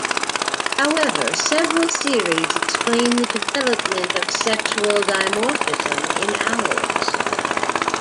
However, several theories explain the development of sexual dimorphism in owls.